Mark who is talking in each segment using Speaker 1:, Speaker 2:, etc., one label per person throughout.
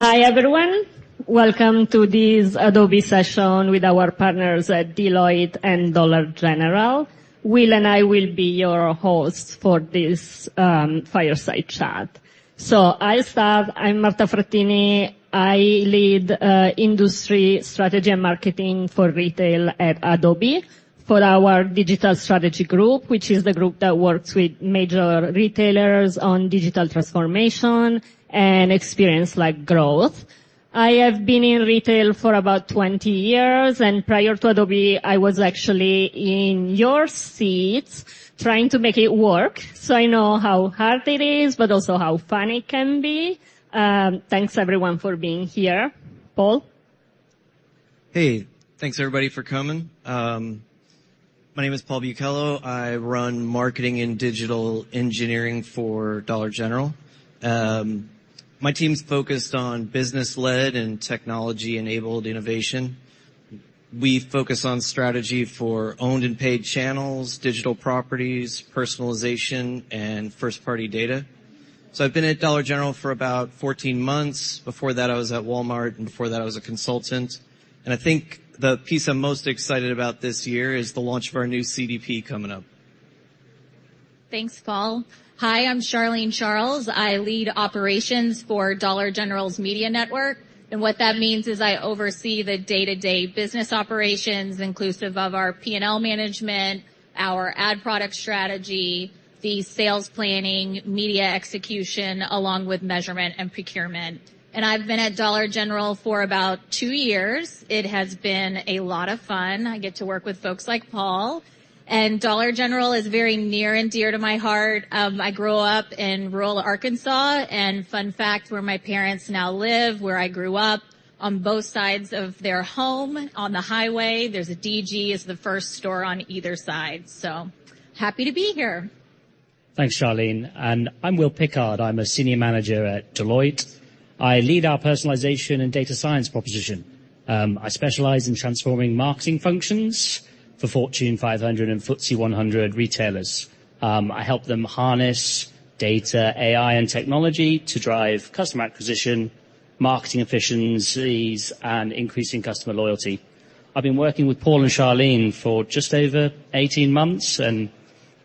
Speaker 1: Hi, everyone. Welcome to this Adobe session with our partners at Deloitte and Dollar General. Will and I will be your hosts for this, fireside chat. I'll start. I'm Marta Frattini. I lead Industry Strategy and Marketing for Retail at Adobe for our Digital Strategy Group, which is the group that works with major retailers on digital transformation and experience like growth. I have been in retail for about 20 years, and prior to Adobe, I was actually in your seats trying to make it work. I know how hard it is, but also how fun it can be. Thanks, everyone, for being here. Paul?
Speaker 2: Hey, thanks, everybody, for coming. My name is Paul Bucalo. I run Marketing and Digital Engineering for Dollar General. My team's focused on business-led and technology-enabled innovation. We focus on strategy for owned and paid channels, digital properties, personalization, and first-party data. So I've been at Dollar General for about 14 months. Before that, I was at Walmart, and before that, I was a consultant, and I think the piece I'm most excited about this year is the launch of our new CDP coming up.
Speaker 3: Thanks, Paul. Hi, I'm Charlene Charles. I lead operations for Dollar General's Media Network, and what that means is I oversee the day-to-day business operations, inclusive of our P&L management, our ad product strategy, the sales planning, media execution, along with measurement and procurement. I've been at Dollar General for about two years. It has been a lot of fun i get to work with folks like Paul. Dollar General is very near and dear to my heart. I grew up in rural Arkansas, and fun fact, where my parents now live, where I grew up, on both sides of their home, on the highway, there's a DG, is the first store on either side, so happy to be here.
Speaker 4: Thanks, Charlene. I'm Will Pickard. I'm a senior manager at Deloitte. I lead our personalization and data science proposition. I specialize in transforming marketing functions for Fortune 500 and FTSE 100 retailers. I help them harness data, AI, and technology to drive customer acquisition, marketing efficiencies, and increasing customer loyalty. I've been working with Paul and Charlene for just over 18 months, and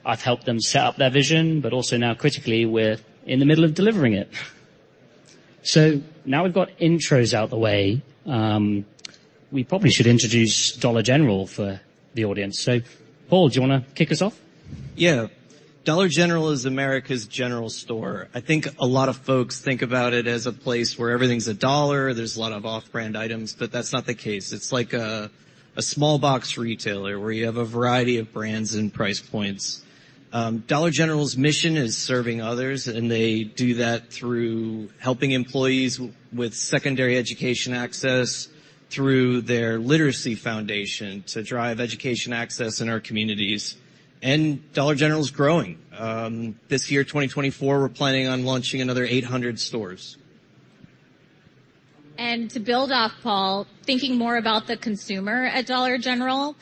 Speaker 4: I've helped them set up their vision, but also now, critically, we're in the middle of delivering it. Now we've got intros out of the way, we probably should introduce Dollar General for the audience. So, Paul, do you want to kick us off?
Speaker 2: Yeah. Dollar General is America's general store. I think a lot of folks think about it as a place where everything's a dollar there's a lot of off-brand items, but that's not the case it's like a small box retailer where you have a variety of brands and price points. Dollar General's mission is serving others, and they do that through helping employees with secondary education access, through their literacy foundation to drive education access in our communities. Dollar General is growing. This year, 2024, we're planning on launching another 800 stores.
Speaker 3: To build off, Paul, thinking more about the consumer at Dollar General,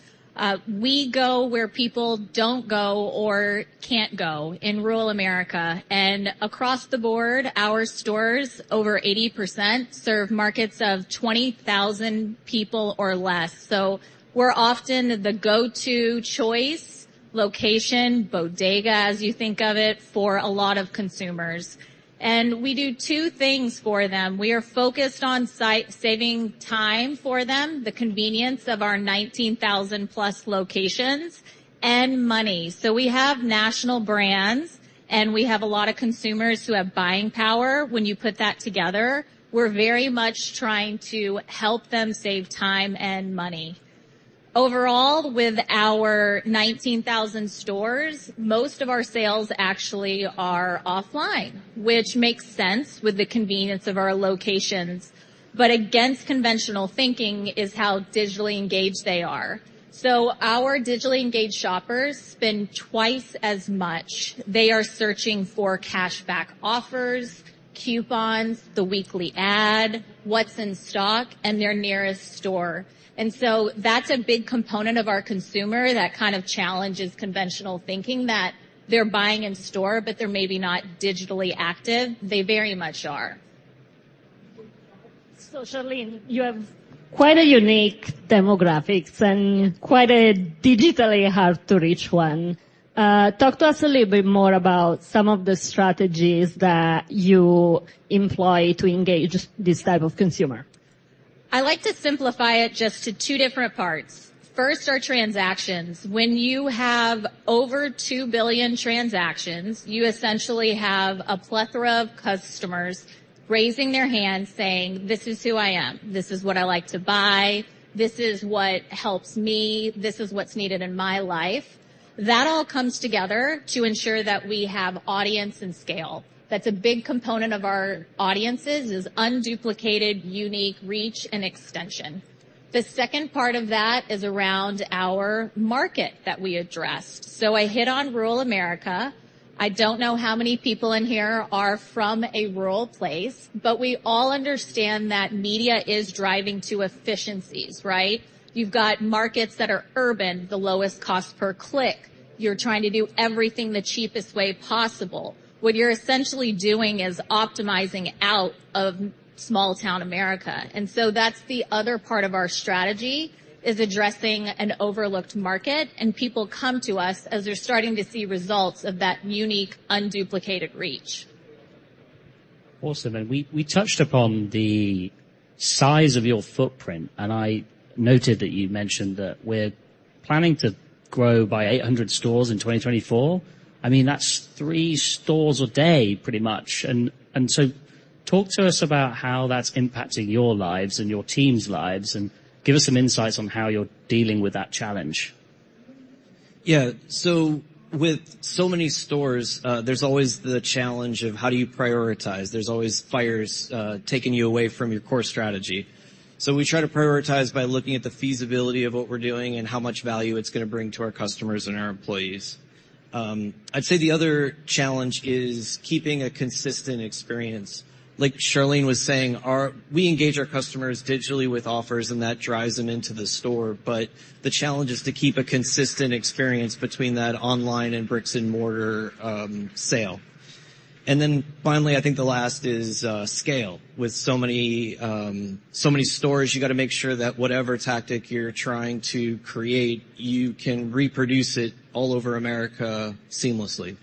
Speaker 3: we go where people don't go or can't go in rural America, and across the board, our stores, over 80%, serve markets of 20,000 people or less. We're often the go-to choice, location, bodega, as you think of it, for a lot of consumers. We do two things for them we are focused on saving time for them, the convenience of our 19,000+ locations, and money. So we have national brands, and we have a lot of consumers who have buying power when you put that together, we're very much trying to help them save time and money. Overall, with our 19,000 stores, most of our sales actually are offline, which makes sense with the convenience of our locations, but against conventional thinking is how digitally engaged they are. Our digitally engaged shoppers spend twice as much. They are searching for cashback offers, coupons, the weekly ad, what's in stock, and their nearest store. That's a big component of our consumer that kind of challenges conventional thinking that they're buying in store, but they're maybe not digitally active they very much are.
Speaker 1: Charlene, you have quite a unique demographics and quite a digitally hard-to-reach one. Talk to us a little bit more about some of the strategies that you employ to engage this type of consumer?
Speaker 3: I like to simplify it just to two different parts. First, are transactions. When you have over $2 billion transactions, you essentially have a plethora of customers raising their hands, saying, "This is who I am. This is what I like to buy. This is what helps me. This is what's needed in my life." That all comes together to ensure that we have audience and scale. That's a big component of our audiences, is unduplicated, unique reach and extension. The second part of that is around our market that we addressed. So I hit on Rural America.... I don't know how many people in here are from a rural place, but we all understand that media is driving to efficiencies, right? You've got markets that are urban, the lowest cost per click. You're trying to do everything the cheapest way possible. What you're essentially doing is optimizing out of small-town America, and so that's the other part of our strategy, is addressing an overlooked market, and people come to us as they're starting to see results of that unique, unduplicated reach.
Speaker 4: Awesome. We touched upon the size of your footprint, and I noted that you mentioned that we're planning to grow by 800 stores in 2024. I mean, that's three stores a day, pretty much. Talk to us about how that's impacting your lives and your team's lives, and give us some insights on how you're dealing with that challenge.
Speaker 2: Yeah. With many stores, there's always the challenge of how do you prioritize? There's always fires taking you away from your core strategy. So we try to prioritize by looking at the feasibility of what we're doing and how much value it's gonna bring to our customers and our employees. I'd say the other challenge is keeping a consistent experience. Like Charlene was saying, we engage our customers digitally with offers, and that drives them into the store, but the challenge is to keep a consistent experience between that online and bricks-and-mortar sale. Then finally, I think the last is scale. With so many stores, you got to make sure that whatever tactic you're trying to create, you can reproduce it all over America seamlessly.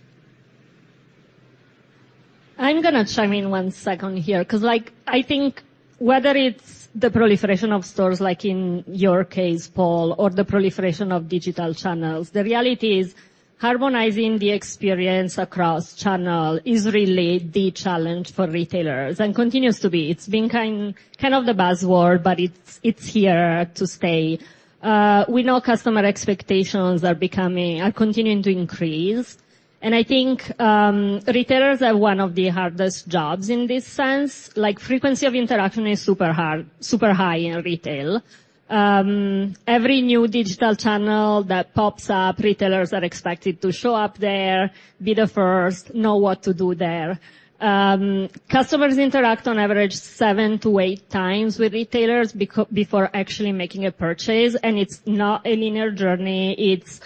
Speaker 1: I'm gonna chime in one second here, 'cause, like, I think whether it's the proliferation of stores, like in your case, Paul, or the proliferation of digital channels, the reality is, harmonizing the experience across channel is really the challenge for retailers, and continues to be it's been kind of the buzzword, but it's here to stay. We know customer expectations are becoming… are continuing to increase, and I think retailers have one of the hardest jobs in this sense. Like, frequency of interaction is super hard, super high in retail. Every new digital channel that pops up, retailers are expected to show up there, be the first, know what to do there. Customers interact on average seven to eight times with retailers before actually making a purchase, and it's not a linear journey. It's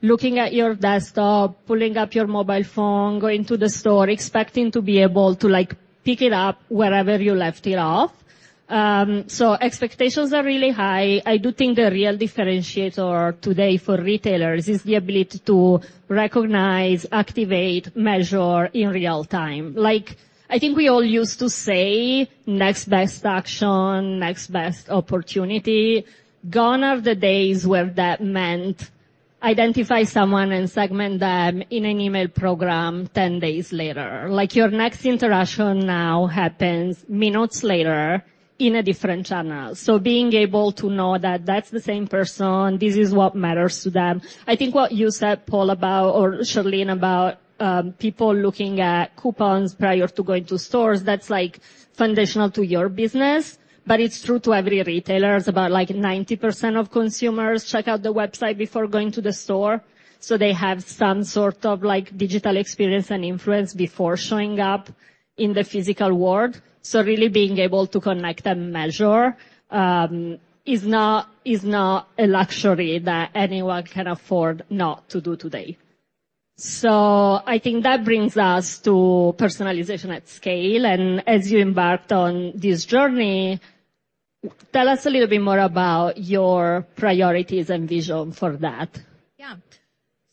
Speaker 1: looking at your desktop, pulling up your mobile phone, going to the store, expecting to be able to, like, pick it up wherever you left it off. Expectations are really high. I do think the real differentiator today for retailers is the ability to recognize, activate, measure in real time. Like, I think we all used to say, next best action, next best opportunity. Gone are the days where that meant identify someone and segment them in an email program 10 days later like, your next interaction now happens minutes later in a different channel. So being able to know that that's the same person, this is what matters to them. I think what you said, Paul, about... Or Charlene, about, people looking at coupons prior to going to stores, that's, like, foundational to your business, but it's true to every retailer. It's about, like, 90% of consumers check out the website before going to the store, so they have some sort of, like, digital experience and influence before showing up in the physical world. Really being able to connect and measure is not, is not a luxury that anyone can afford not to do today. I think that brings us to personalization at scale, and as you embarked on this journey, tell us a little bit more about your priorities and vision for that.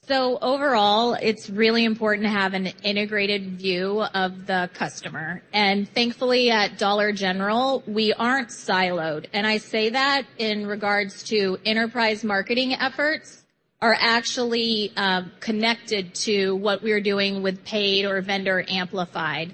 Speaker 3: Yeah. Overall, it's really important to have an integrated view of the customer, and thankfully, at Dollar General, we aren't siloed. And I say that in regards to enterprise marketing efforts are actually connected to what we're doing with paid or vendor amplified.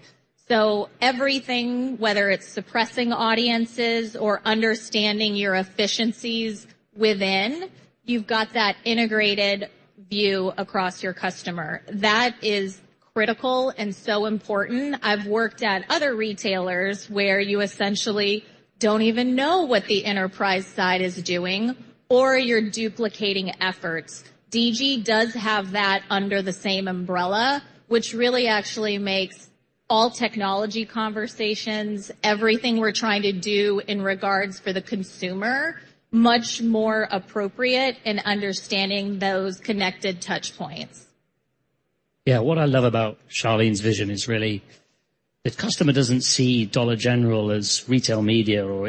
Speaker 3: Everything, whether it's suppressing audiences or understanding your efficiencies within, you've got that integrated view across your customer. That is critical and so important. I've worked at other retailers where you essentially don't even know what the enterprise side is doing, or you're duplicating efforts. DG does have that under the same umbrella, which really actually makes all technology conversations, everything we're trying to do in regards for the consumer, much more appropriate in understanding those connected touch points.
Speaker 4: Yeah. What I love about Charlene's vision is really, the customer doesn't see Dollar General as retail media or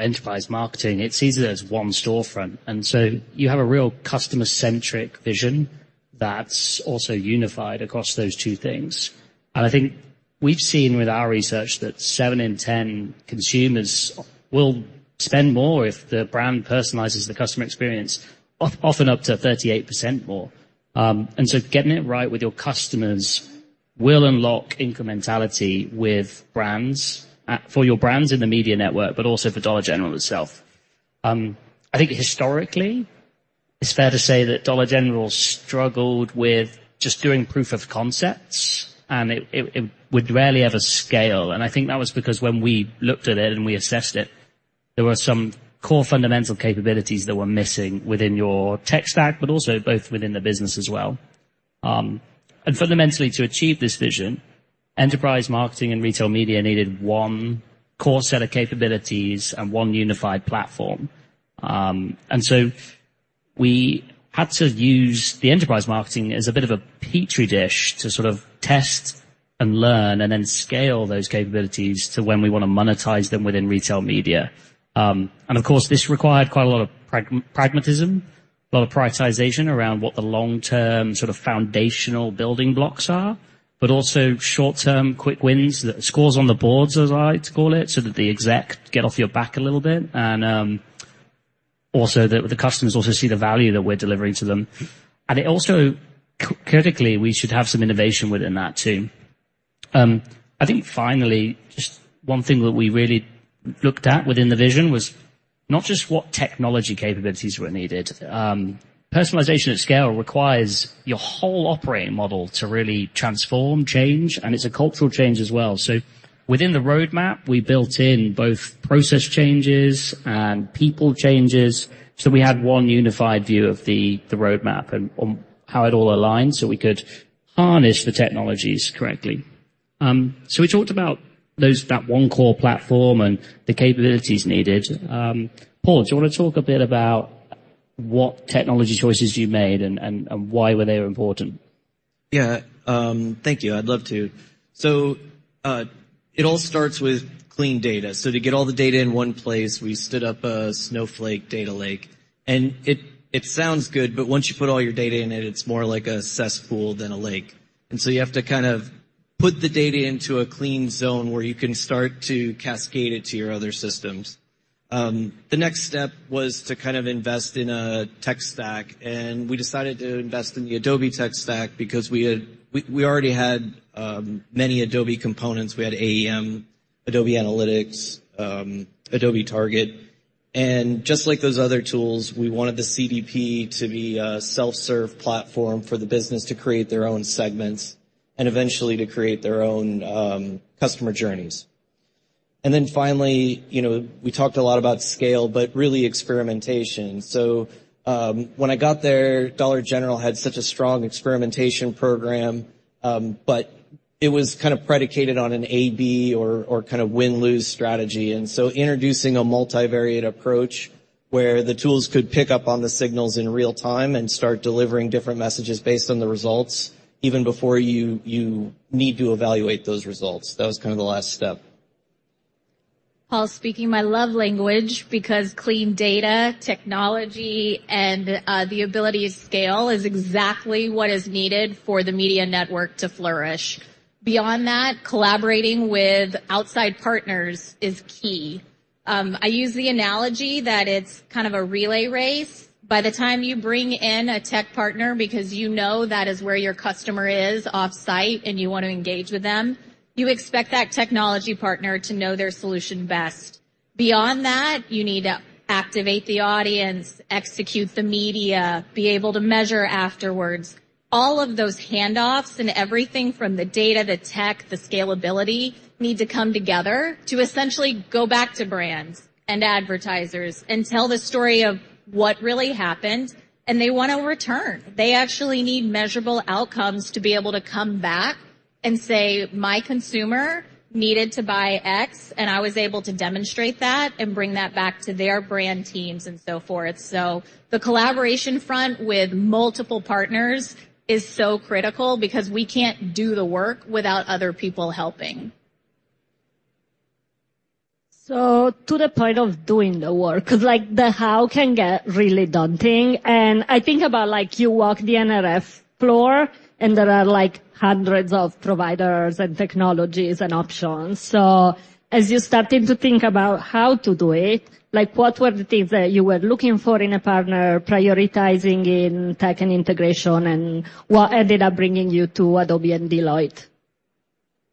Speaker 4: enterprise marketing, it sees it as one storefront, and so you have a real customer-centric vision that's also unified across those two things. I think we've seen with our research that seven in 10 consumers will spend more if the brand personalizes the customer experience, often up to 38% more. Getting it right with your customers will unlock incrementality with brands, for your brands in the media network, but also for Dollar General itself. I think historically, it's fair to say that Dollar General struggled with just doing proof of concepts, and it would rarely ever scale think that was because when we looked at it and we assessed it... There were some core fundamental capabilities that were missing within your tech stack, but also both within the business as well. Fundamentally, to achieve this vision, enterprise marketing and retail media needed one core set of capabilities and one unified platform. So we had to use the enterprise marketing as a bit of a petri dish to sort of test and learn and then scale those capabilities to when we want to monetize them within retail media. Of course, this required quite a lot of pragmatism, a lot of prioritization around what the long-term sort of foundational building blocks are, but also short-term quick wins, that scores on the boards, as I like to call it, so that the exec get off your back a little bit, and also that the customers also see the value that we're delivering to them. It also, critically, we should have some innovation within that, too. I think finally, just one thing that we really looked at within the vision was not just what technology capabilities were needed. Personalization at scale requires your whole operating model to really transform, change, and it's a cultural change as well. So within the roadmap, we built in both process changes and people changes, so we had one unified view of the roadmap and on how it all aligns, so we could harness the technologies correctly. So we talked about that one core platform and the capabilities needed. Paul, do you want to talk a bit about what technology choices you made and why were they important?
Speaker 2: Yeah, thank you. I'd love to. So, it all starts with clean data. So to get all the data in one place, we stood up a Snowflake data lake, and it sounds good, but once you put all your data in it, it's more like a cesspool than a lake. And so you have to kind of put the data into a clean zone where you can start to cascade it to your other systems. The next step was to kind of invest in a tech stack, and we decided to invest in the Adobe tech stack because we had - we already had many Adobe components. We had AEM, Adobe Analytics, Adobe Target. Just like those other tools, we wanted the CDP to be a self-serve platform for the business to create their own segments and eventually to create their own customer journeys. Then finally, you know, we talked a lot about scale, but really experimentation. So when I got there, Dollar General had such a strong experimentation program, but it was kind of predicated on an A/B or kind of win-lose strategy. And so introducing a multivariate approach where the tools could pick up on the signals in real time and start delivering different messages based on the results, even before you need to evaluate those results. That was kind of the last step.
Speaker 3: Paul, speaking my love language, because clean data, technology, and the ability to scale is exactly what is needed for the media network to flourish. Beyond that, collaborating with outside partners is key. I use the analogy that it's kind of a relay race. By the time you bring in a tech partner, because you know that is where your customer is off-site and you want to engage with them, you expect that technology partner to know their solution best. Beyond that, you need to activate the audience, execute the media, be able to measure afterwards. All of those handoffs and everything from the data, the tech, the scalability, need to come together to essentially go back to brands and advertisers and tell the story of what really happened, and they want a return. They actually need measurable outcomes to be able to come back and say, "My consumer needed to buy X, and I was able to demonstrate that," and bring that back to their brand teams and so forth. So the collaboration front with multiple partners is so critical because we can't do the work without other people helping.
Speaker 1: To the point of doing the work, 'cause, like, the how can get really daunting. I think about, like, you walk the NRF floor, and there are, like, hundreds of providers and technologies and options. As you started to think about how to do it, like, what were the things that you were looking for in a partner, prioritizing in tech and integration, and what ended up bringing you to Adobe and Deloitte?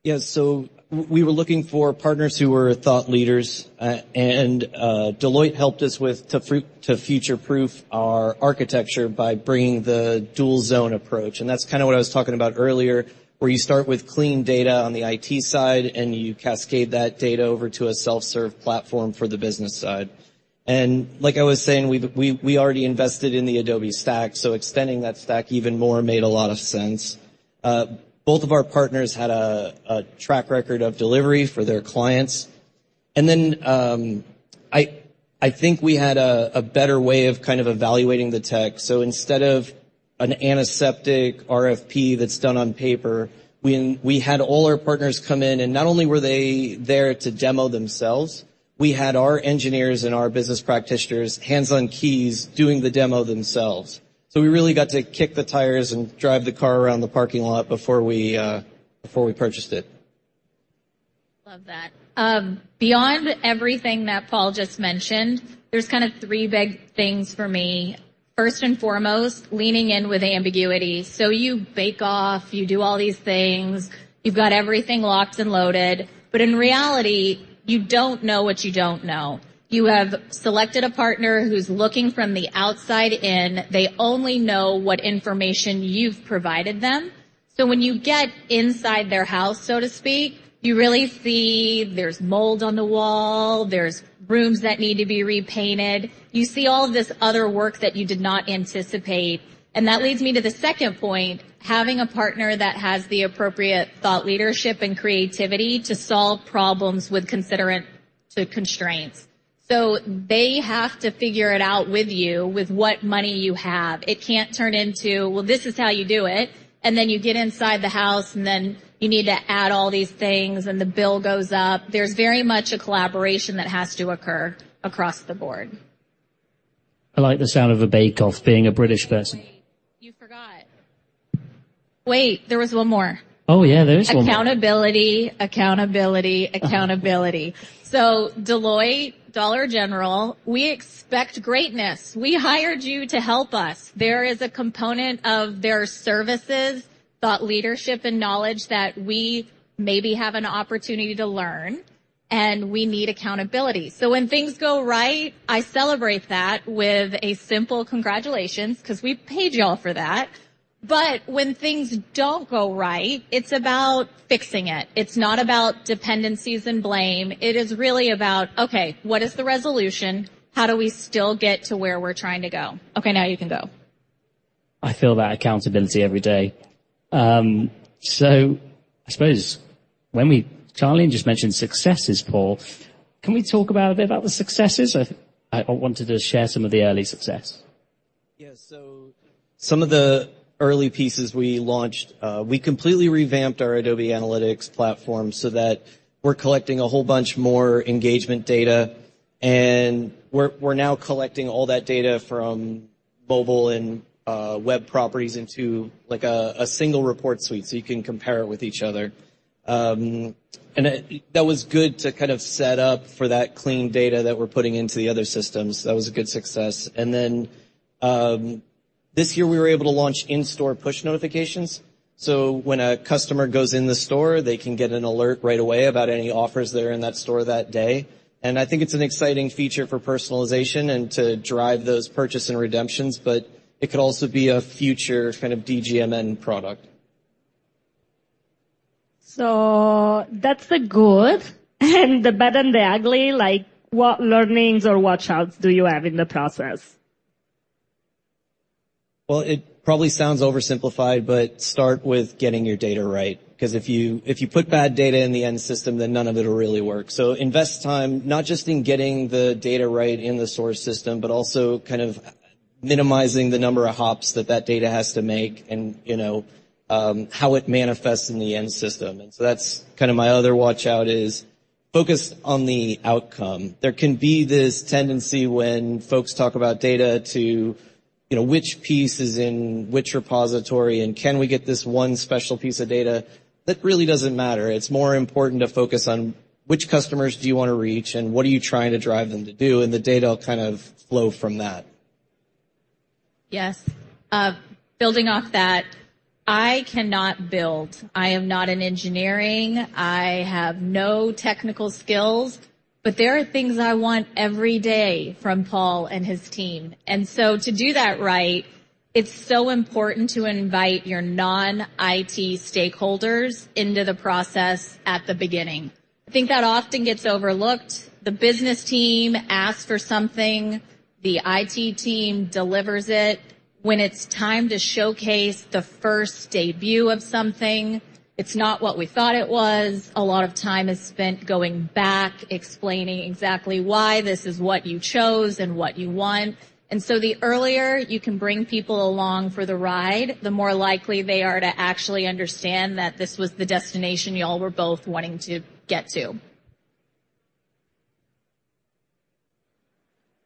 Speaker 2: Yes. So we were looking for partners who were thought leaders, and Deloitte helped us to future-proof our architecture by bringing the dual-zone approach. And that's kind of what I was talking about earlier, where you start with clean data on the IT side, and you cascade that data over to a self-serve platform for the business side. And like I was saying, we've already invested in the Adobe stack, so extending that stack even more made a lot of sense. Both of our partners had a track record of delivery for their clients. And then, I think we had a better way of kind of evaluating the tech. So instead of an antiseptic RFP that's done on paper, we had all our partners come in, and not only were they there to demo themselves, we had our engineers and our business practitioners, hands on keys, doing the demo themselves. So we really got to kick the tires and drive the car around the parking lot before we purchased it.
Speaker 3: Love that. Beyond everything that Paul just mentioned, there's kind of three big things for me. First and foremost, leaning in with ambiguity. So you bake off, you do all these things, you've got everything locked and loaded, but in reality, you don't know what you don't know. You have selected a partner who's looking from the outside in. They only know what information you've provided them. So when you get inside their house, so to speak, you really see there's mold on the wall, there's rooms that need to be repainted. You see all of this other work that you did not anticipate. And that leads me to the second point, having a partner that has the appropriate thought, leadership, and creativity to solve problems with considerate to constraints. So they have to figure it out with you, with what money you have. It can't turn into, "Well, this is how you do it," and then you get inside the house, and then you need to add all these things, and the bill goes up. There's very much a collaboration that has to occur across the board.
Speaker 4: I like the sound of a bake-off being a British person.
Speaker 3: You forgot. Wait, there was one more.
Speaker 4: Oh, yeah, there is one more.
Speaker 3: Accountability, accountability, accountability. Deloitte, Dollar General, we expect greatness. We hired you to help us. There is a component of their services, thought leadership, and knowledge that we maybe have an opportunity to learn, and we need accountability. So when things go right, I celebrate that with a simple congratulations, 'cause we paid you all for that. But when things don't go right, it's about fixing it. It's not about dependencies and blame. It is really about, okay, what is the resolution? How do we still get to where we're trying to go? Okay, now you can go.
Speaker 4: I feel that accountability every day. I suppose when we, Charlene just mentioned successes, Paul. Can we talk about a bit about the successes? I wanted to share some of the early success.
Speaker 2: Yes. Some of the early pieces we launched, we completely revamped our Adobe Analytics platform so that we're collecting a whole bunch more engagement data, we're now collecting all that data from mobile and web properties into, like, a single report suite, so you can compare it with each other. And that was good to kind of set up for that clean data that we're putting into the other systems that was a good success. Then, this year, we were able to launch in-store push notifications. When a customer goes in the store, they can get an alert right away about any offers that are in that store that day. And I think it's an exciting feature for personalization and to drive those purchase and redemptions, but it could also be a future kind of DGMN product.
Speaker 3: That's the good, and the bad and the ugly, like, what learnings or what shouts do you have in the process?
Speaker 2: Well, it probably sounds oversimplified, but start with getting your data right, 'cause if you put bad data in the end system, then none of it will really work. So invest time, not just in getting the data right in the source system, but also kind of minimizing the number of hops that that data has to make and, you know, how it manifests in the end system that's kinda my other watch-out is: focus on the outcome. There can be this tendency when folks talk about data to, you know, which piece is in which repository, and can we get this one special piece of data? That really doesn't matter. It's more important to focus on which customers do you wanna reach, and what are you trying to drive them to do, and the data will kind of flow from that.
Speaker 3: Yes. Building off that, I cannot build. I am not in engineering. I have no technical skills, but there are things I want every day from Paul and his team. To do that right, it's so important to invite your non-IT stakeholders into the process at the beginning. I think that often gets overlooked. The business team asks for something, the IT team delivers it. When it's time to showcase the first debut of something, it's not what we thought it was. A lot of time is spent going back, explaining exactly why this is what you chose and what you want. And so the earlier you can bring people along for the ride, the more likely they are to actually understand that this was the destination you all were both wanting to get to.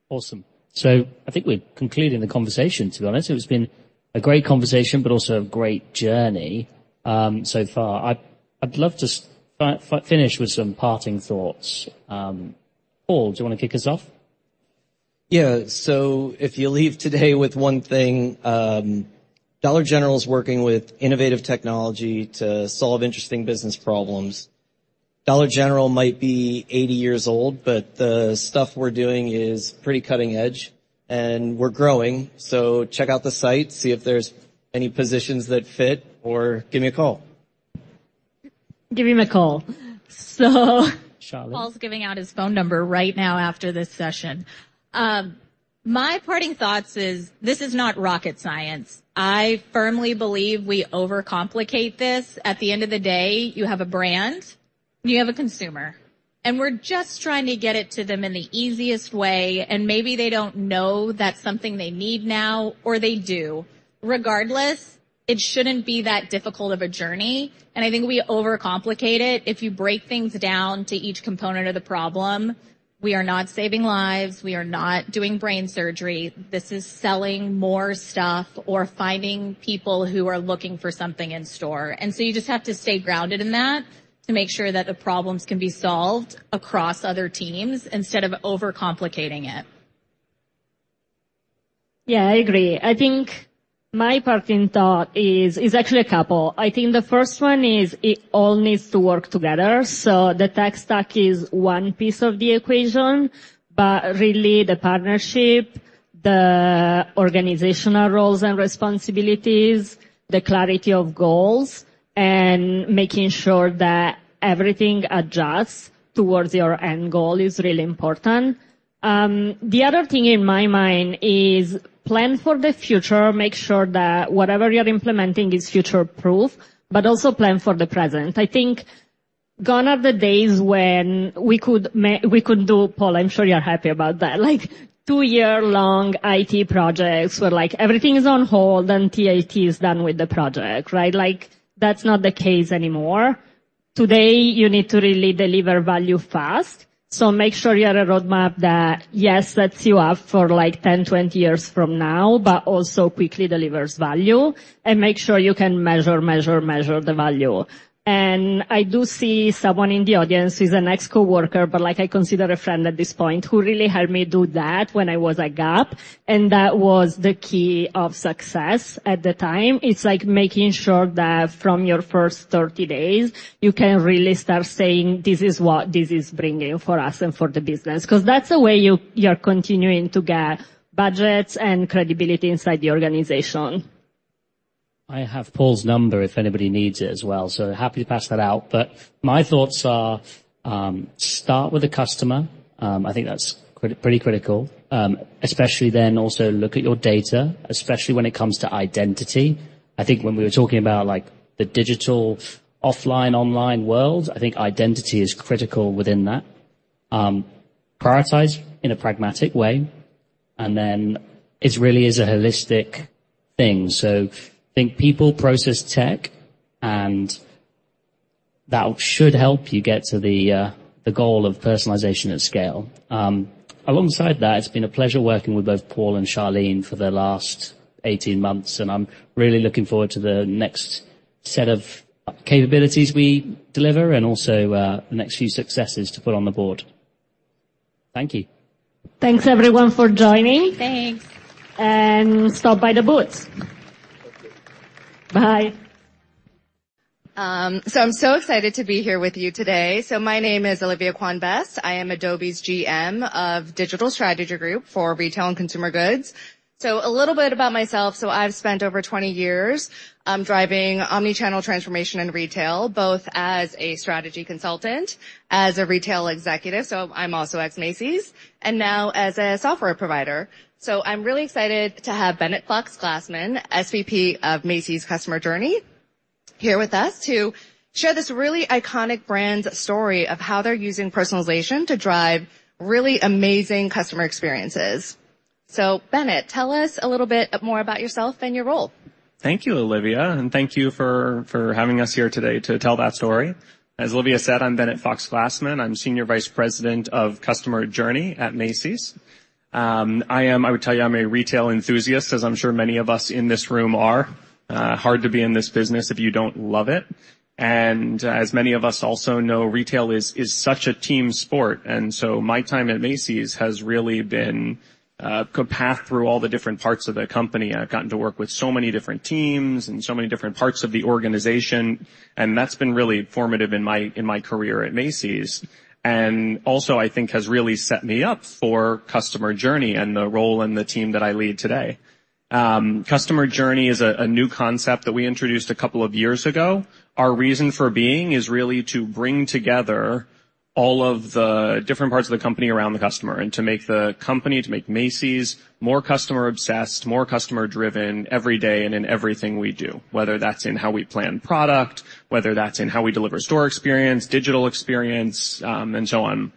Speaker 4: Awesome. I think we're concluding the conversation, to be honest. It has been a great conversation, but also a great journey so far. I'd love to finish with some parting thoughts. Paul, do you wanna kick us off?
Speaker 2: Yeah. If you leave today with one thing, Dollar General is working with innovative technology to solve interesting business problems. Dollar General might be 80 years old, but the stuff we're doing is pretty cutting edge, and we're growing. So check out the site, see if there's any positions that fit, or give me a call.
Speaker 3: Give him a call.
Speaker 4: Charlene.
Speaker 3: Paul's giving out his phone number right now after this session. My parting thoughts is, this is not rocket science. I firmly believe we overcomplicate this. At the end of the day, you have a brand, you have a consumer, and we're just trying to get it to them in the easiest way, and maybe they don't know that's something they need now, or they do. Regardless, it shouldn't be that difficult of a journey, and I think we overcomplicate it if you break things down to each component of the problem, we are not saving lives, we are not doing brain surgery. This is selling more stuff or finding people who are looking for something in store and so you just have to stay grounded in that to make sure that the problems can be solved across other teams instead of overcomplicating it....
Speaker 1: Yeah, I agree. I think my parting thought is actually a couple. I think the first one is it all needs to work together. The tech stack is one piece of the equation, but really, the partnership, the organizational roles and responsibilities, the clarity of goals, and making sure that everything adjusts towards your end goal is really important. The other thing in my mind is plan for the future, make sure that whatever you're implementing is future-proof, but also plan for the present i think, gone are the days when we could we could do, Paul, I'm sure you're happy about that, like, two-year-long IT projects, where, like, everything is on hold, and TAT is done with the project, right? Like, that's not the case anymore. Today, you need to really deliver value fast, so make sure you have a roadmap that, yes, sets you up for, like, 10, 20 years from now, but also quickly delivers value, and make sure you can measure, measure, measure the value. I do see someone in the audience who's an ex-coworker, but, like, I consider a friend at this point, who really helped me do that when I was at Gap, and that was the key of success at the time. It's like making sure that from your first 30 days, you can really start saying, "This is what this is bringing for us and for the business." 'Cause that's the way you, you're continuing to get budgets and credibility inside the organization.
Speaker 4: I have Paul's number if anybody needs it as well, so happy to pass that out. My thoughts are, start with the customer, I think that's pretty critical. Especially then also look at your data, especially when it comes to identity. I think when we were talking about, like, the digital offline, online world, I think identity is critical within that. Prioritize in a pragmatic way, and then it really is a holistic thing. Think people, process, tech, and that should help you get to the goal of personalization at scale. Alongside that, it's been a pleasure working with both Paul and Charlene for the last 18 months, and I'm really looking forward to the next set of capabilities we deliver and also the next few successes to put on the board. Thank you.
Speaker 1: Thanks, everyone, for joining.
Speaker 5: Thanks.
Speaker 1: Stop by the booths. Bye.
Speaker 5: I'm so excited to be here with you today. So my name is Olivia Kwon-Best. I am Adobe's GM of Digital Strategy Group for Retail and Consumer Goods. So a little bit about myself i've spent over 20 years, driving omnichannel transformation in retail, both as a strategy consultant, as a retail executive, so I'm also ex Macy's, and now as a software provider. I'm really excited to have Bennett Fox-Glassman, SVP of Macy's Customer Journey, here with us to share this really iconic brand's story of how they're using personalization to drive really amazing customer experiences. Bennett, tell us a little bit more about yourself and your role.
Speaker 6: Thank you, Olivia, and thank you for having us here today to tell that story. As Olivia said, I'm Bennett Fox-Glassman. I'm Senior Vice President of Customer Journey at Macy's. I am. I would tell you I'm a retail enthusiast, as I'm sure many of us in this room are. Hard to be in this business if you don't love it. As many of us also know, retail is such a team sport, and so my time at Macy's has really been a path through all the different parts of the company i've gotten to work with so many different teams and so many different parts of the organization, and that's been really formative in my career at Macy's. Also, I think has really set me up for customer journey and the role and the team that I lead today. Customer journey is a new concept that we introduced a couple of years ago. Our reason for being is really to bring together all of the different parts of the company around the customer, and to make the company, to make Macy's more customer-obsessed, more customer-driven every day and in everything we do, whether that's in how we plan product, whether that's in how we deliver store experience, digital experience, and so on.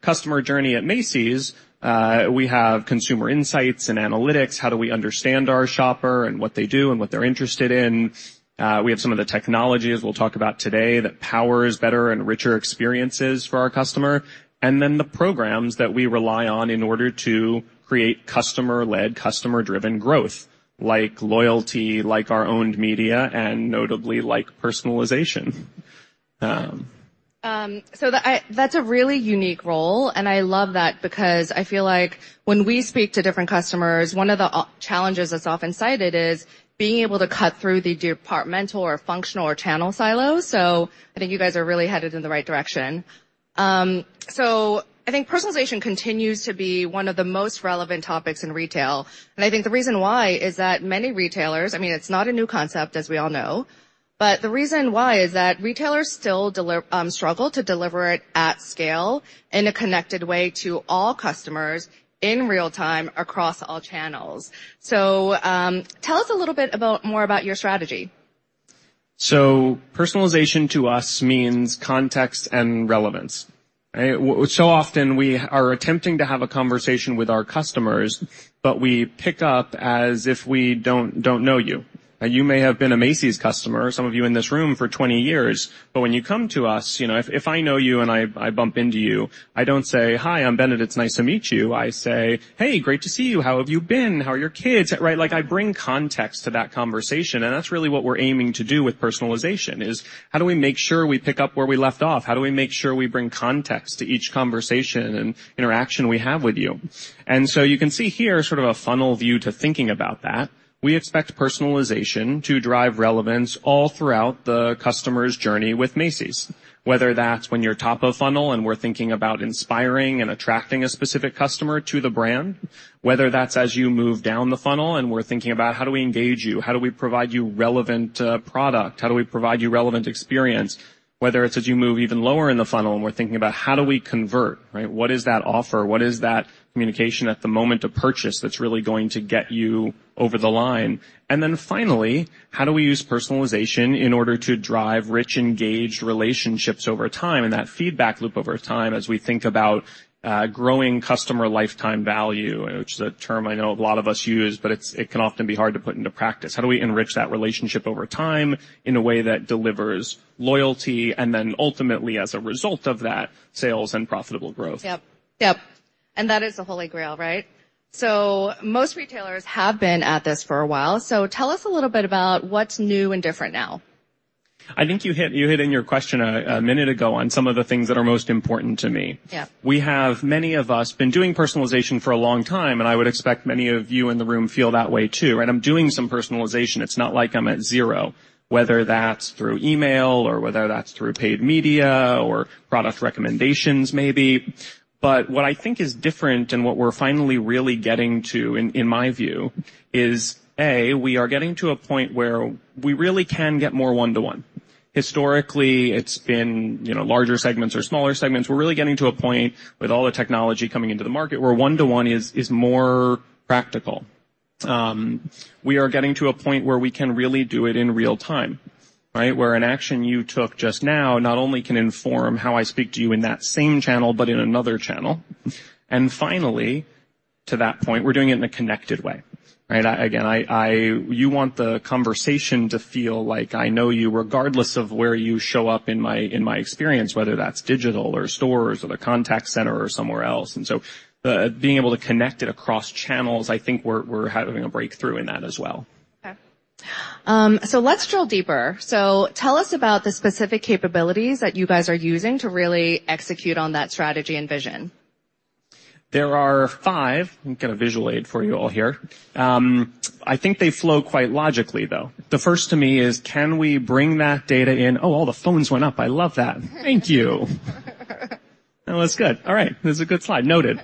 Speaker 6: Customer journey at Macy's, we have consumer insights and analytics how do we understand our shopper and what they do and what they're interested in? We have some of the technologies we'll talk about today that powers better and richer experiences for our customer. And then the programs that we rely on in order to create customer-led, customer-driven growth, like loyalty, like our own media, and notably, like personalization.
Speaker 5: That's a really unique role, and I love that because I feel like when we speak to different customers, one of the challenges that's often cited is being able to cut through the departmental or functional or channel silos. I think you guys are really headed in the right direction. I think personalization continues to be one of the most relevant topics in retail. And I think the reason why is that many retailers, I mean, it's not a new concept, as we all know, but the reason why is that retailers still struggle to deliver it at scale in a connected way to all customers in real time, across all channels. Tell us a little bit about more about your strategy.
Speaker 6: Personalization to us means context and relevance. So often we are attempting to have a conversation with our customers, but we pick up as if we don't know you. You may have been a Macy's customer, some of you in this room, for 20 years. But when you come to us, you know, if I know you and I bump into you, I don't say: Hi, I'm Bennett, nice to meet you. I say, "Hey, great to see you. How have you been? How are your kids?" Right? Like, I bring context to that conversation, and that's really what we're aiming to do with personalization, is how do we make sure we pick up where we left off? How do we make sure we bring context to each conversation and interaction we have with you? You can see here sort of a funnel view to thinking about that. We expect personalization to drive relevance all throughout the customer's journey with Macy's. Whether that's when you're top of funnel, and we're thinking about inspiring and attracting a specific customer to the brand. Whether that's as you move down the funnel, and we're thinking about: How do we engage you? How do we provide you relevant product? How do we provide you relevant experience? Whether it's as you move even lower in the funnel, and we're thinking about: How do we convert, right? What is that offer? What is that communication at the moment of purchase that's really going to get you over the line? Then finally, how do we use personalization in order to drive rich, engaged relationships over time, and that feedback loop over time as we think about growing customer lifetime value, which is a term I know a lot of us use, but it's, it can often be hard to put into practice how do we enrich that relationship over time in a way that delivers loyalty, and then ultimately, as a result of that, sales and profitable growth?
Speaker 5: Yep. Yep, and that is the Holy Grail, right? Most retailers have been at this for a while so tell us a little bit about what's new and different now.
Speaker 6: I think you hit in your question a minute ago on some of the things that are most important to me.
Speaker 5: Yep.
Speaker 6: We have, many of us, been doing personalization for a long time, and I would expect many of you in the room feel that way, too. I'm doing some personalization it's not like I'm at zero. Whether that's through email or whether that's through paid media or product recommendations, maybe. What I think is different and what we're finally really getting to, in my view, is, A, we are getting to a point where we really can get more one-to-one. Historically, it's been, you know, larger segments or smaller segments we're really getting to a point with all the technology coming into the market, where one-to-one is more practical. We are getting to a point where we can really do it in real time, right? Where an action you took just now, not only can inform how I speak to you in that same channel, but in another channel. Finally, to that point, we're doing it in a connected way, right? You want the conversation to feel like I know you, regardless of where you show up in my, in my experience, whether that's digital or stores or the contact center or somewhere else. And being able to connect it across channels, I think we're having a breakthrough in that as well.
Speaker 5: Okay. Let's drill deeper. Tell us about the specific capabilities that you guys are using to really execute on that strategy and vision.
Speaker 6: There are five. I've got a visual aid for you all here. I think they flow quite logically, though. The first to me is, can we bring that data in? Oh, all the phones went up i love that. Thank you. Oh, that's good. All right, this is a good slide. Noted.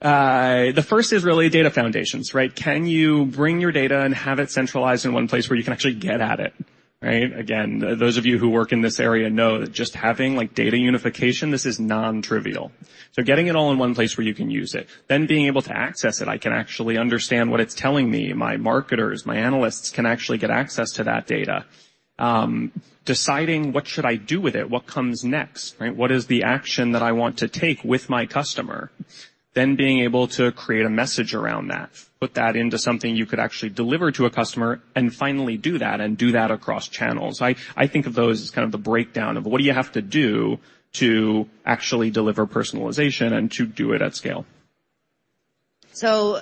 Speaker 6: The first is really data foundations, right? Can you bring your data and have it centralized in one place where you can actually get at it, right? Again, those of you who work in this area know that just having, like, data unification, this is nontrivial. So getting it all in one place where you can use it, then being able to access it i can actually understand what it's telling me my marketers, my analysts, can actually get access to that data. Deciding, what should I do with it? What comes next, right? What is the action that I want to take with my customer? Then being able to create a message around that, put that into something you could actually deliver to a customer, and finally do that, and do that across channels i think of those as kind of the breakdown of what you have to do to actually deliver personalization and to do it at scale.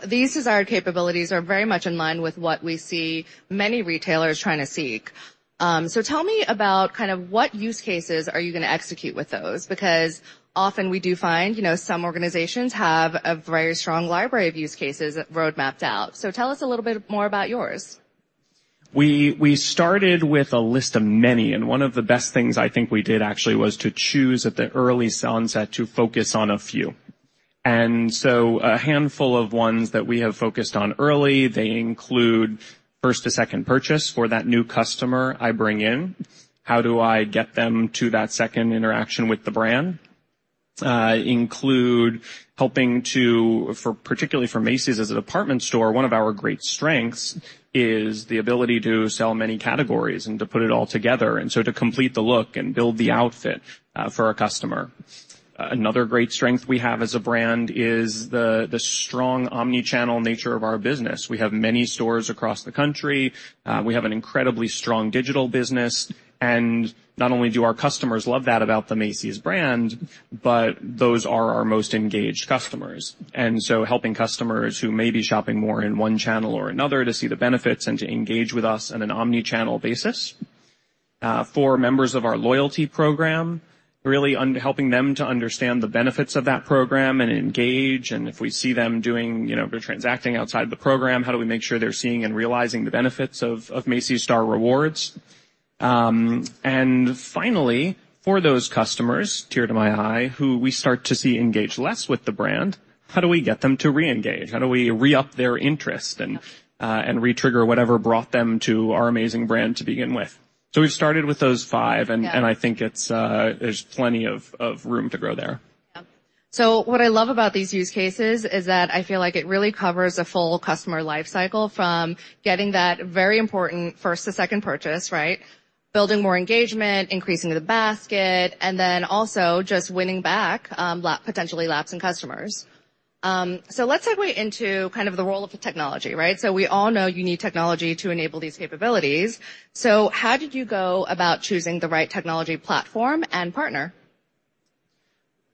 Speaker 5: These desired capabilities are very much in line with what we see many retailers trying to seek. So tell me about kind of what use cases are you going to execute with those? Because often we do find, you know, some organizations have a very strong library of use cases that roadmapped out. So tell us a little bit more about yours.
Speaker 6: We started with a list of many, and one of the best things I think we did actually was to choose at the early onset to focus on a few. And so a handful of ones that we have focused on early, they include first to second purchase for that new customer I bring in. How do I get them to that second interaction with the brand? Include helping to, particularly for Macy's as a department store, one of our great strengths is the ability to sell many categories and to put it all together, and so to complete the look and build the outfit, for our customer. Another great strength we have as a brand is the strong omnichannel nature of our business we have many stores across the country. We have an incredibly strong digital business, and not only do our customers love that about the Macy's brand, but those are our most engaged customers. And helping customers who may be shopping more in one channel or another to see the benefits and to engage with us on an omnichannel basis. For members of our loyalty program, helping them to understand the benefits of that program and engage and if we see them doing, you know, they're transacting outside the program, how do we make sure they're seeing and realizing the benefits of Macy's Star Rewards? Finally, for those customers, tear to my eye, who we start to see engage less with the brand, how do we get them to reengage? How do we re-up their interest and re-trigger whatever brought them to our amazing brand to begin with? We've started with those five-
Speaker 5: Yeah.
Speaker 6: I think it's, there's plenty of room to grow there.
Speaker 5: Yeah. What I love about these use cases is that I feel like it really covers a full customer life cycle, from getting that very important first to second purchase, right? Building more engagement, increasing the basket, and then also just winning back potentially lapsing customers. So let's segue into kind of the role of the technology, right? we all know you need technology to enable these capabilities. How did you go about choosing the right technology, platform, and partner?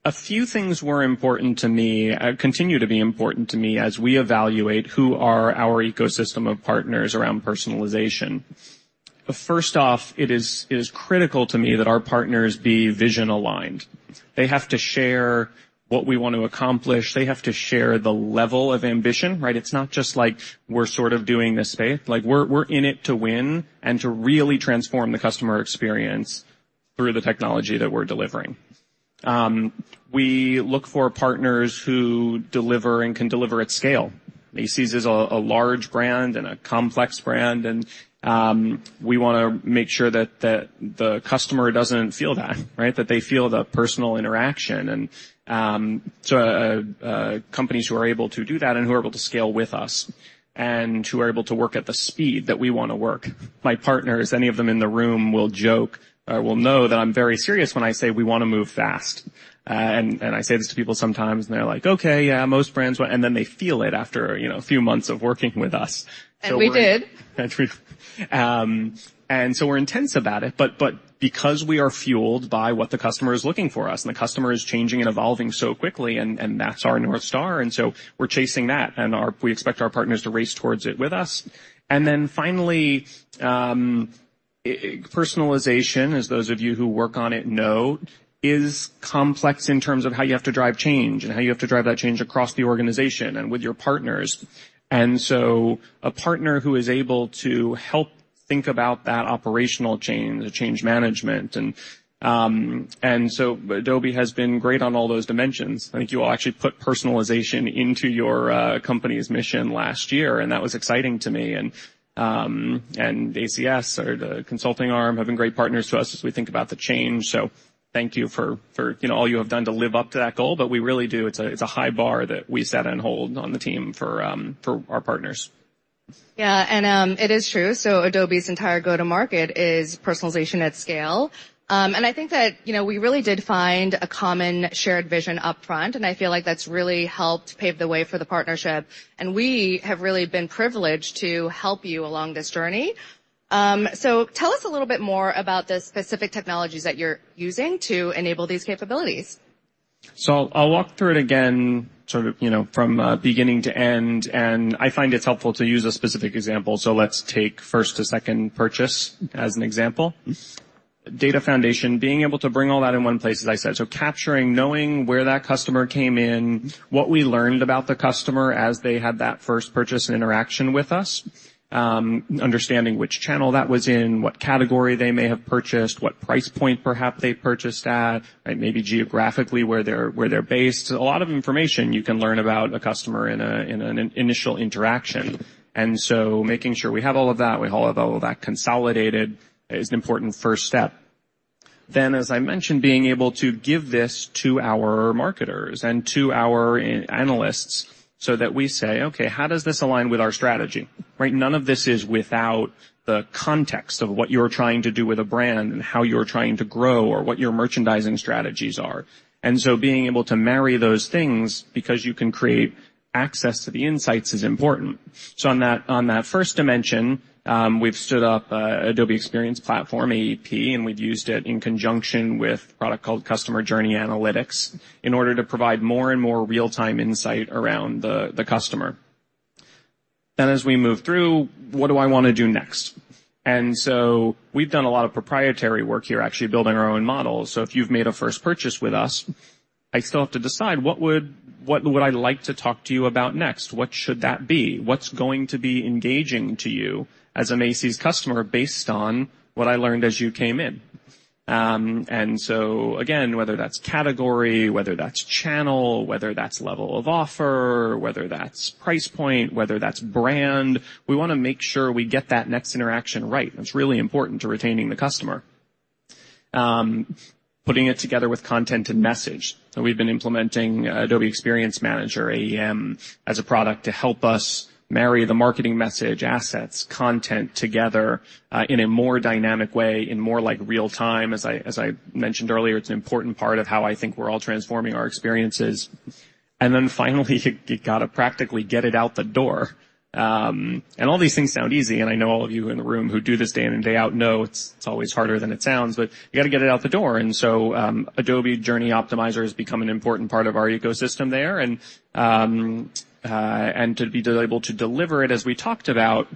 Speaker 6: A few things were important to me, continue to be important to me as we evaluate who are our ecosystem of partners around personalization. First off, it is, it is critical to me that our partners be vision-aligned. They have to share what we want to accomplish they have to share the level of ambition, right? It's not just like we're sort of doing this faith like, we're, we're in it to win and to really transform the customer experience, through the technology that we're delivering. We look for partners who deliver and can deliver at scale. Macy's is a, a large brand and a complex brand, and, we wanna make sure that, that the customer doesn't feel that, right? That they feel the personal interaction. Companies who are able to do that, and who are able to scale with us, and who are able to work at the speed that we wanna work. My partners, any of them in the room, will joke or will know that I'm very serious when I say we wanna move fast. And I say this to people sometimes, and they're like: "Okay, yeah, most brands what?" And then they feel it after, you know, a few months of working with us.
Speaker 5: We did.
Speaker 6: We're intense about it, but but because we are fueled by what the customer is looking for us, and the customer is changing and evolving so quickly, and that's our North Star, and so we're chasing that, and we expect our partners to race towards it with us. And then finally, personalization, as those of you who work on it know, is complex in terms of how you have to drive change and how you have to drive that change across the organization and with your partners. A partner who is able to help think about that operational change, the change management, and so Adobe has been great on all those dimensions. I think you all actually put personalization into your company's mission last year, and that was exciting to me. ACS or the consulting arm have been great partners to us as we think about the change. Thank you for, you know, all you have done to live up to that goal, but we really do it's a high bar that we set and hold on the team for our partners.
Speaker 5: Yeah, and it is true. Adobe's entire go-to-market is personalization at scale. And I think that, you know, we really did find a common shared vision upfront, and I feel like that's really helped pave the way for the partnership, and we have really been privileged to help you along this journey. Tell us a little bit more about the specific technologies that you're using to enable these capabilities.
Speaker 6: I'll walk through it again, sort of, you know, from beginning to end, and I find it's helpful to use a specific example so let's take first a second purchase as an example. Data foundation, being able to bring all that in one place, as I said so capturing, knowing where that customer came in, what we learned about the customer as they had that first purchase interaction with us. Understanding which channel that was in, what category they may have purchased, what price point perhaps they purchased at, and maybe geographically, where they're based a lot of information you can learn about a customer in an initial interaction. And so making sure we have all of that, we have all of that consolidated, is an important first step. Then, as I mentioned, being able to give this to our marketers and to our analysts, so that we say, "Okay, how does this align with our strategy?" Right? None of this is without the context of what you're trying to do with a brand and how you're trying to grow or what your merchandising strategies are. And so being able to marry those things, because you can create access to the insights, is important. On that, on that first dimension, we've stood up Adobe Experience Platform, AEP, and we've used it in conjunction with a product called Customer Journey Analytics, in order to provide more and more real-time insight around the customer. Then, as we move through, what do I want to do next? We've done a lot of proprietary work here, actually, building our own model so if you've made a first purchase with us, I still have to decide what would I like to talk to you about next? What should that be? What's going to be engaging to you as a Macy's customer, based on what I learned as you came in? Again, whether that's category, whether that's channel, whether that's level of offer, whether that's price point, whether that's brand, we wanna make sure we get that next interaction right i's really important to retaining the customer. Putting it together with content and message. We've been implementing Adobe Experience Manager, AEM, as a product to help us marry the marketing message, assets, content together in a more dynamic way, in more like real-time as I mentioned earlier, it's an important part of how I think we're all transforming our experiences. Then finally, you gotta practically get it out the door. And all these things sound easy, and I know all of you in the room who do this day in and day out, know it's, it's always harder than it sounds, but you gotta get it out the door. Adobe Journey Optimizer has become an important part of our ecosystem there, and, and to be able to deliver it, as we talked about,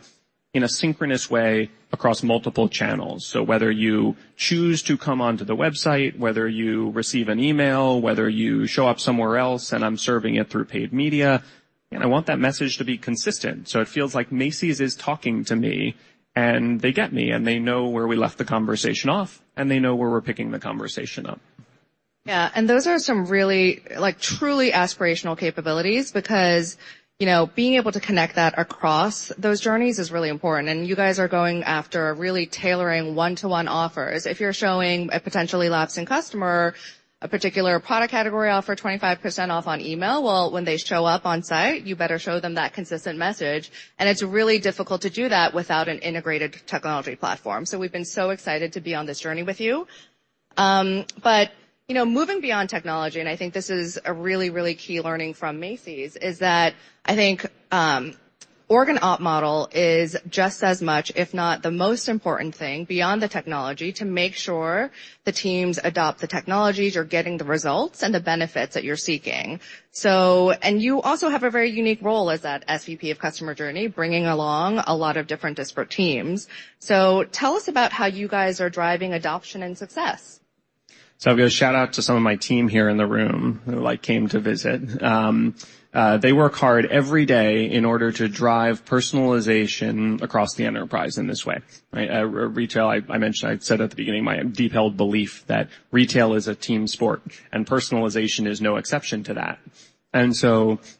Speaker 6: in a synchronous way across multiple channels. So whether you choose to come onto the website, whether you receive an email, whether you show up somewhere else, and I'm serving it through paid media, and I want that message to be consistent, so it feels like Macy's is talking to me, and they get me, and they know where we left the conversation off, and they know where we're picking the conversation up.
Speaker 5: Yeah, and those are some really, like, truly aspirational capabilities, because, you know, being able to connect that across those journeys is really important, and you guys are going after really tailoring one-to-one offers if you're showing a potentially lapsing customer a particular product category offer, 25% off on email, well, when they show up on site, you better show them that consistent message. And it's really difficult to do that without an integrated technology platform so we've been so excited to be on this journey with you. You know, moving beyond technology, and I think this is a really, really key learning from Macy's, is that I think, org and op model is just as much, if not the most important thing, beyond the technology, to make sure the teams adopt the technologies, you're getting the results and the benefits that you're seeking. You also have a very unique role as that SVP of Customer Journey, bringing along a lot of different disparate teams. Tell us about how you guys are driving adoption and success.
Speaker 6: I'll give a shout-out to some of my team here in the room, who, like, came to visit. They work hard every day in order to drive personalization across the enterprise in this way, right? Retail, I mentioned, I said at the beginning, my deep-held belief that retail is a team sport, and personalization is no exception to that.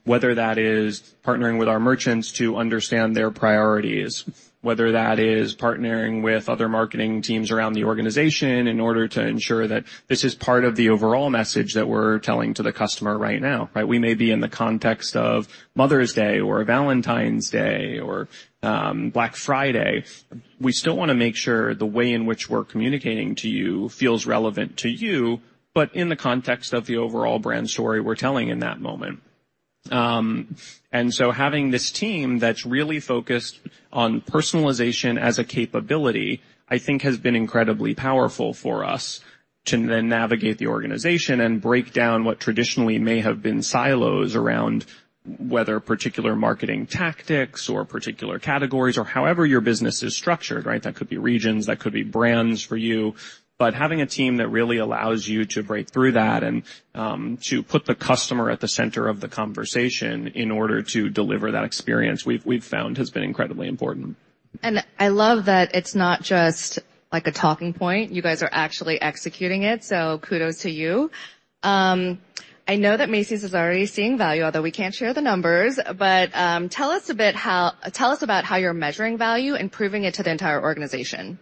Speaker 6: Whether that is partnering with our merchants to understand their priorities, whether that is partnering with other marketing teams around the organization in order to ensure that this is part of the overall message that we're telling to the customer right now, right? We may be in the context of Mother's Day or Valentine's Day or Black Friday. We still wanna make sure the way in which we're communicating to you feels relevant to you, but in the context of the overall brand story we're telling in that moment. Having this team that's really focused on personalization as a capability. I think, has been incredibly powerful for us to then navigate the organization and break down what traditionally may have been silos around whether particular marketing tactics or particular categories or however your business is structured, right? That could be regions, that could be brands for you. But having a team that really allows you to break through that and to put the customer at the center of the conversation in order to deliver that experience, we've found has been incredibly important.
Speaker 5: I love that it's not just, like, a talking point you guys are actually executing it, so kudos to you. I know that Macy's is already seeing value, although we can't share the numbers, but tell us about how you're measuring value and proving it to the entire organization.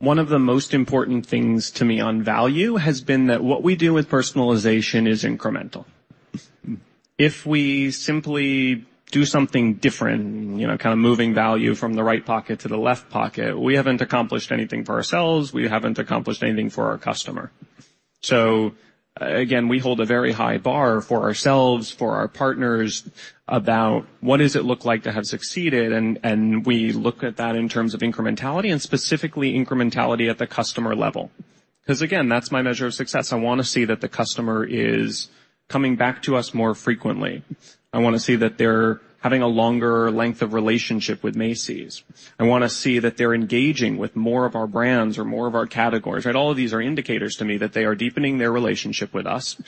Speaker 6: One of the most important things to me on value has been that what we do with personalization is incremental. If we simply do something different, you know, kind of moving value from the right pocket to the left pocket, we haven't accomplished anything for ourselves, we haven't accomplished anything for our customer. Again, we hold a very high bar for ourselves, for our partners, about what does it look like to have succeeded, and, and we look at that in terms of incrementality and specifically incrementality at the customer level. Because, again, that's my measure of success i wanna see that the customer is coming back to us more frequently. I wanna see that they're having a longer length of relationship with Macy's. I wanna see that they're engaging with more of our brands or more of our categories right, all of these are indicators to me that they are deepening their relationship with us.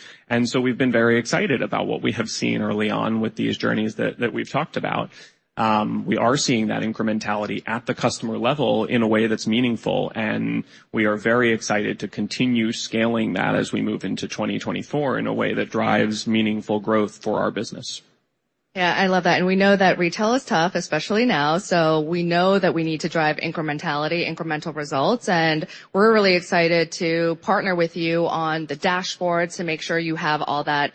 Speaker 6: We've been very excited about what we have seen early on with these journeys that we've talked about. We are seeing that incrementality at the customer level in a way that's meaningful, and we are very excited to continue scaling that as we move into 2024 in a way that drives meaningful growth for our business.
Speaker 5: Yeah, I love that, and we know that retail is tough, especially now, so we know that we need to drive incrementality, incremental results, and we're really excited to partner with you on the dashboards to make sure you have all that,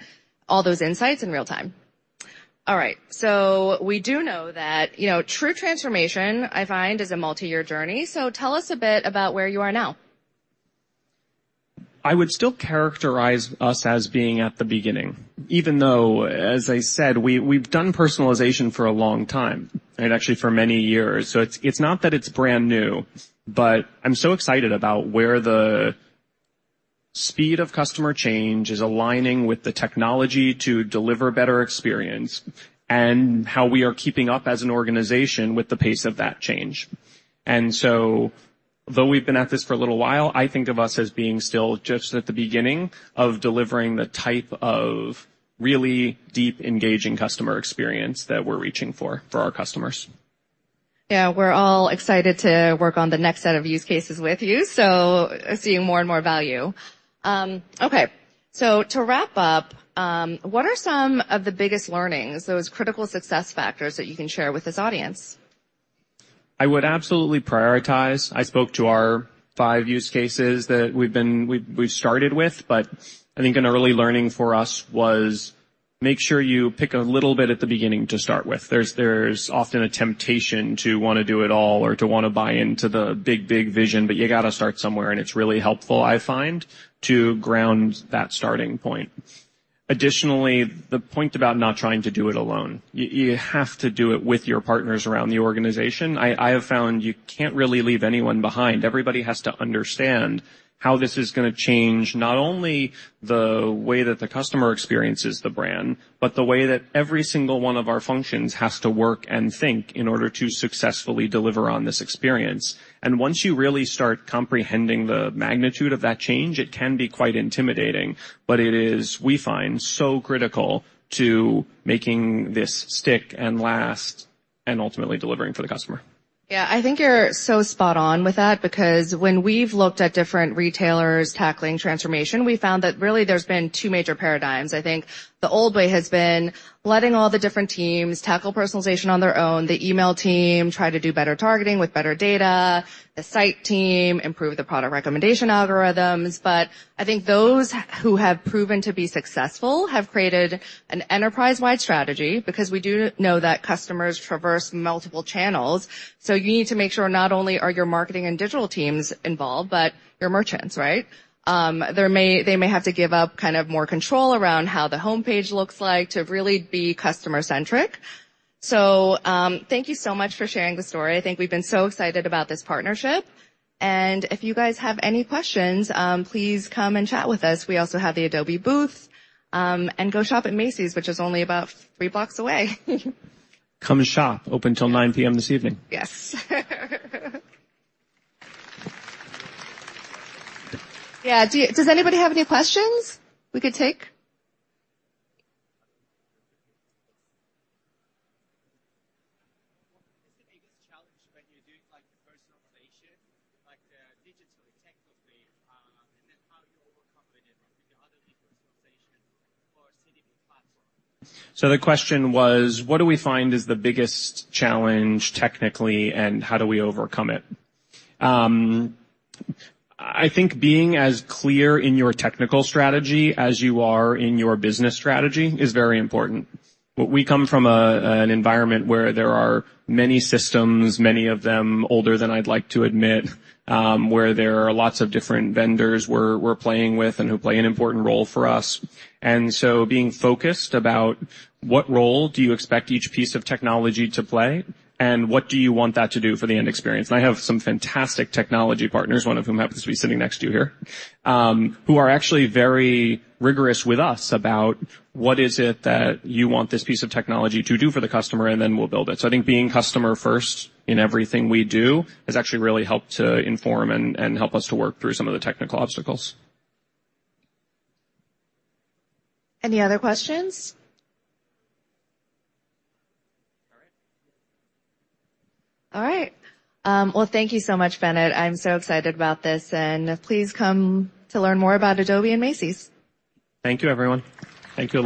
Speaker 5: all those insights in real time. All right, we do know that, you know, true transformation, I find, is a multi-year journey, so tell us a bit about where you are now.
Speaker 6: I would still characterize us as being at the beginning, even though, as I said, we, we've done personalization for a long time, and actually for many years so it's, it's not that it's brand new, but I'm so excited about where the speed of customer change is aligning with the technology to deliver better experience, and how we are keeping up as an organization with the pace of that change. Though we've been at this for a little while, I think of us as being still just at the beginning of delivering the type of really deep, engaging customer experience that we're reaching for our customers.
Speaker 5: Yeah, we're all excited to work on the next set of use cases with you, so seeing more and more value. Okay. To wrap up, what are some of the biggest learnings, those critical success factors, that you can share with this audience?
Speaker 6: I would absolutely prioritize. I spoke to our five use cases that we've started with, but I think an early learning for us was, make sure you pick a little bit at the beginning to start with there's often a temptation to wanna do it all or to wanna buy into the big, big vision, but you gotta start somewhere, and it's really helpful, I find, to ground that starting point. Additionally, the point about not trying to do it alone. You have to do it with your partners around the organization. I have found you can't really leave anyone behind everybody has to understand how this is gonna change, not only the way that the customer experiences the brand, but the way that every single one of our functions has to work and think in order to successfully deliver on this experience. Once you really start comprehending the magnitude of that change, it can be quite intimidating, but it is, we find, so critical to making this stick and last and ultimately delivering for the customer.
Speaker 5: Yeah, I think you're so spot on with that, because when we've looked at different retailers tackling transformation, we found that really there's been two major paradigms i think the old way has been letting all the different teams tackle personalization on their own. The email team try to do better targeting with better data, the site team improve the product recommendation algorithms. I think those who have proven to be successful have created an enterprise-wide strategy, because we do know that customers traverse multiple channels. You need to make sure not only are your marketing and digital teams involved, but your merchants, right? They may have to give up kind of more control around how the homepage looks like to really be customer-centric.... Thank you so much for sharing the story i think we've been so excited about this partnership, and if you guys have any questions, please come and chat with us we also have the Adobe booth, and go shop at Macy's, which is only about three blocks away.
Speaker 6: Come and shop. Open till 9:00 P.M. this evening.
Speaker 5: Yes. Yeah. Does anybody have any questions we could take?
Speaker 7: What is the biggest challenge when you're doing, like, personalization, like, digitally, technically, and then how you overcome it with the other people organization or sitting in platform?
Speaker 6: The question was: What do we find is the biggest challenge technically, and how do we overcome it? I think being as clear in your technical strategy as you are in your business strategy is very important. We come from an environment where there are many systems, many of them older than I'd like to admit, where there are lots of different vendors we're playing with and who play an important role for us. Being focused about what role do you expect each piece of technology to play, and what do you want that to do for the end experience? I have some fantastic technology partners, one of whom happens to be sitting next to you here, who are actually very rigorous with us about what is it that you want this piece of technology to do for the customer, and then we'll build it so I think being customer first in everything we do has actually really helped to inform and help us to work through some of the technical obstacles.
Speaker 5: Any other questions? All right. Well, thank you so much, Bennett. I'm so excited about this, and please come to learn more about Adobe and Macy's.
Speaker 6: Thank you, everyone. Thank you, Alicia.